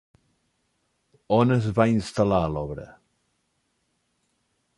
On es va instal·lar l'obra?